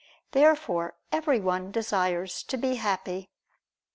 Therefore everyone desires to be happy.